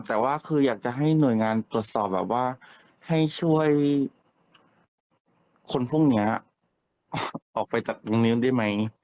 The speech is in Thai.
แต่ว่าคืออยากจะให้หน่วยงานตรวจสอบแบบว่าให้ช่วยคนพวกนี้ออกไปจากตรงนี้ได้ไหม